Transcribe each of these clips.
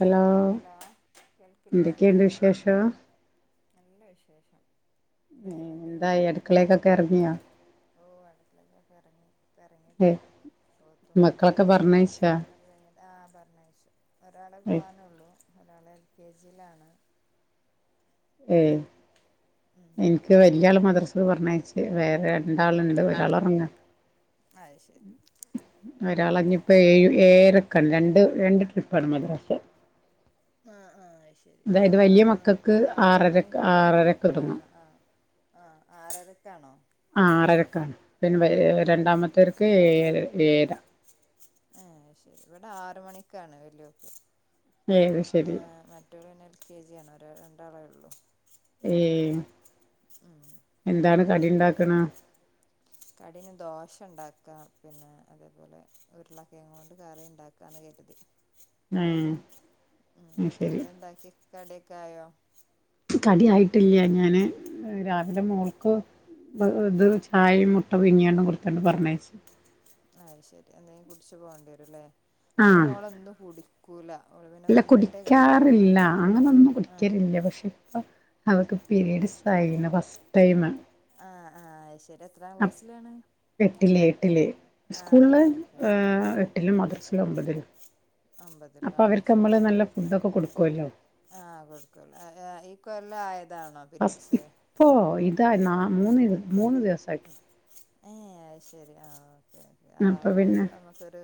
Hello hello കേൾക്കില്ലേ എന്തൊക്കെയുണ്ട് വിശേഷം നല്ല വിശേഷം എന്താ പരിപാടി എന്തായി അടുക്കളേക്കൊക്കെ ഇറങ്ങിയോ ഓ അടക്കളയിൽ നിന്ന് ഒക്കെ ഇറങ്ങി ഇപ്പൊ ഏ ഇറങ്ങിട്ടുള്ളു ഒ ഓതും മക്കളൊക്കെ പറഞ്ഞയച്ചാ നിസ്സ്കാരൊക്കെ കഴിഞ്ഞി ആഹ് [unintelligible] ഒരാളെ ഏ പോകാനുള്ളൂ ഒരാള് എൽ കെ ജിയിലാണ് ഉം ഉം എനിക്ക് വലിയാളു മത്ര പറഞ്ഞു അയച്ചയാണ് വേറെയാണ് രണ്ടാളുണ്ട് ഒരാൾ രണ്ടാള് ഉറങ്ങ അത് ശരി ഒരാളഞ്ഞപ്പോ ഏരക്കാണ് രണ്ട് രണ്ട് ട്രിപ്പാണ് മദ്രാസെ ആ ആ ആയി ശരി ആ ആറ് മണി മക്കൾക്ക് ആറ ആറര മണിക്കും ആറരക്ക് ആ തുടങ്ങും ആ ആ ആറരക്കാണോ ആ ആറരക്കാണ് പിന്നെ ആ രണ്ടാമത്തെരക്ക് ഏയരാ ഏ പേര ആഏ ശരി ഇവിടെ ആറ് മണിക്കാണ് വല്യ ഓക്ക് ഏ അയ് ശരി എൽ കെ ജി ആാണ് ഒ രണ്ടാളേ ഉള്ളൂ ഏ ഉം എന്താണ് കടി ഉണ്ടാക്ക്ണ് കടിന്ന് ദോ ഹേ അയ് ശരി കടി ഒക്കെ ആയോ കടി ആയിട്ടില്ല ഞാന് ഉം രാവിലെ മോൾക്ക് ഉം ഇത് ചായിം മുട്ട ട്ടോ പീങ്ങാണ്ട് കൊടുത്താണ്ട് പറഞ്ഞയച്ച് അയ് ശരി എന്തെങ്കിലും കുടിച്ചു പോകേണ്ടി വരും ല്ലേ ഇവടെ മോളെന്ന് കൂടി ക്കൂല അല്ല കുടിക്കാറില്ല അങ്ങനൊന്നും ആ കുടിക്കലില്ല പക്ഷെ ഇപ്പൊ അവർക്ക് ആ പിരീഡ്സ് ആയിന് ഫസ്റ്റ് ടൈമ് ആ ആ അത് ശരി എത്രാം അ ക്ലാസ്സിലാണ് എട്ടില് എട്ടില് ആ ആ സ്കൂളില് ഓക്കെ ആ എട്ടിലും മദ്രസിയില് ഒമ്പതിലും ഒമ്പതിലോ അപ്പൊ ആ അത് അവർക്ക് ശരി നമ്മള് ഉം. നല്ല ഫുഡൊക്കെ കൊടുക്കുവല്ലോ ആ കൊടുക്കുള്ളൂ ആ, ആ, ഈ കൊല്ലം ആയതാണോ ഫസ്റ്റ് പീരീഡ്സ് ഇപ്പൊ ഇതാ ണാ മൂന്ന് മൂന്ന് ദിവസം ആയിട്ടേയുള്ളു ഏ അത് ശരി ആ ഓക്കെ ഓക്കെ അപ്പൊ ആകുമ്പോ ഒരു പിന്നെ നമുക്കൊരു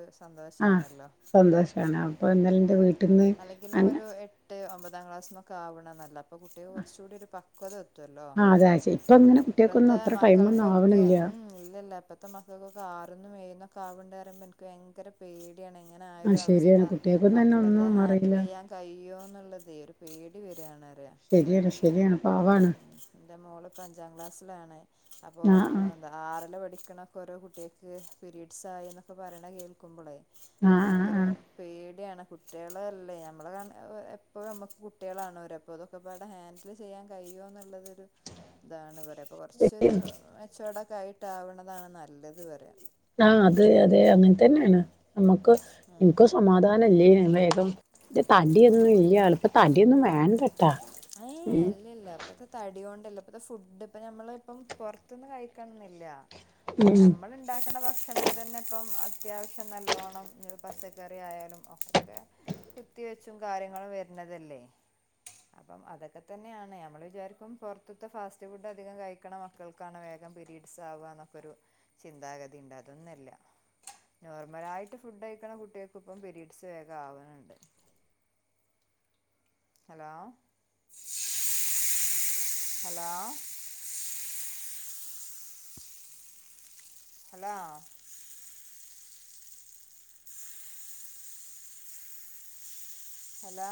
ആ സന്തോഷാണല്ലോ സന്തോഷമാണ് ഉം അപ്പൊ എന്നാലും എന്റെ ഉം വീട്ടിൽന്ന് അല്ലെങ്കിലും അ ഒരു എട്ട് ഒമ്പതാം ക്ലാസിലൊക്കെ ആവണേ നല്ല അപ്പോൾ കുട്ടികൾക്ക് കുറച്ച് കൂടി ഒരു പ ക്വത എ ആ അതേ അത് ശരിയാ ഇപ്പൊ അങ്ങനെ കുട്ടികൾക്കൊന്നും അത്ര ടൈമൊന്നും മക്കൾക്കൊക്കെ ആവണില്ലാ ഉം ഇല്ല ഇല്ല ഇപ്പത്തെ മാസവൊക്ക കാറന്നും വയ്യന്നും ഒക്കെ ആവണുണ്ടെന്ന്‌ പറയുമ്പോ ഭയങ്കര പേടി യാണ് ഇങ്ങനെ ആഹ് ആയൊരു അവസ്ഥ ശരിയാണ് കുട്ടികൾക്കൊന്നും തന്നെ മക്കളത് ഒന്നും ഹാൻഡിൽ അറിയില്ല ചെയ്യാൻ കഴിയോന്നുള്ളതേ ഒരു പേടി വരുവാണ് പറയുവാ ശരിയാണ് ശരിയാണ് പാവാണ് ഉം എന്റെ മോളിപ്പോ അഞ്ചാം ക്ലാസ്സിൽ ലാണ് അപ്പൊ ആഹ് അതെന്താ ആറലാ പഠി [unintelligible] ഓരോ കുട്ടികൾക്ക് പീരീഡ്സ് ആയി എന്നൊക്കെ പറയണെ കേൾക്കുമ്പോളേ ആഹ് ആഹ് ഭയങ്കര ആഹ് പേടിയാണ് കുട്ടികളല്ലേ നമ്മടെ ആഹ് എപ്പോളും നമ്മുക്ക് കുട്ടികളാണ് അവര് അതൊക്കെപാടെ ഹാൻഡിൽ ചെയ്യാൻ കഴിയുമോ എന്നുള്ളതൊരു ഇതാണ് [unintelligible] ആഹ് കൊറേച്ചൊരു അ അതൊക്കെയിട്ടാവുന്നതാണ് നല്ലത് പ ആഹ് അതെ അതെ അങ്ങനെ തന്നെയാണ് നമുക്ക് എനിക്ക് ഒരു സമാധാ [unintelligible] ഇത് തടിയൊന്നും ഇല്ല എളുപ്പം താടിയൊന്നും വേ ആൻഡ് ഏയ് അല്ല അല്ല അപ്പ ഇത്‌ തടി കൊണ്ടുള്ള ഇപ്പത്തെ ഫുഡ് ഇപ്പം ഞമ്മള് ഇപ്പം പൊറത്തൊന്നും കഴിക്കണന്നില്ല അതെ ഉം നമ്മൾ ഉണ്ടാക്കണ ഭക്ഷണം തന്നെ ഇപ്പം അത്യാവശ്യം നല്ലോണം ഹ് പച്ചക്കറി ആയാലും ഒക്കെ കുത്തിവെച്ചും കാര്യങ്ങളും വരുന്നതല്ലേ അപ്പം അതൊക്കെ തന്നെയാണ് നമ്മൾ വിചാരിക്കും പൊർത്ത്ത്തെ ഫാസ്റ്റ് ഫുഡ് അധികം കഴിക്കണ മക്കൾക്കാണ് വേഗം പിരീഡ്സ് ആവ ന്നൊക്കെ ഒരു ചിന്താഗതിണ്ട്. അതൊന്നല്ല നോർമലായിട്ട് ഫുഡ് കഴിക്കണ കുട്ടികൾക്പ്പം പിരീഡ്സ് വേഗം ആവ്ണ് ണ്ട്. Hello hello hello hello